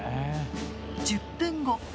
１０分後。